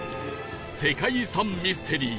世界遺産ミステリー